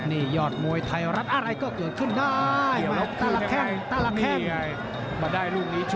นี่ยอดมวยไทยรับอาลัยก็คือขึ้นได้